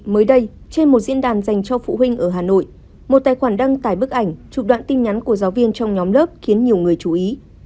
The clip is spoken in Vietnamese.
mới đây trên một diễn đàn dành cho phụ huynh ở hà nội một tài khoản đăng tải bức ảnh chụp đoạn tin nhắn của giáo viên trong nhóm lớp khiến nhiều người chú ý